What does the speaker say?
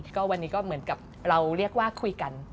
ก็วันนี้ก็เหมือนกับเราเรียกว่าคุยกัน